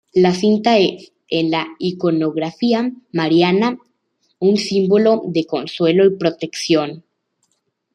La cinta es, en la iconografía mariana, un símbolo de consuelo y protección.